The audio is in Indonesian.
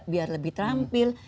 biar lebih terampil